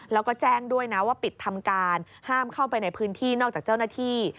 แล้วก็แจ้งด้วยนะว่าปิดทำการห้ามเข้าไปในพื้นที่นอกจากเจ้าหน้าที่